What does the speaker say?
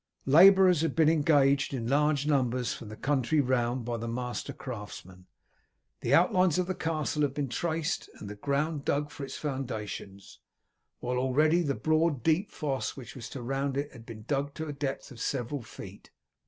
Labourers had been engaged in large numbers from the country round by the master craftsmen. The outlines of the castle had been traced, and the ground dug for its foundations, while already the broad deep fosse which was to surround it had been dug to a depth of several feet.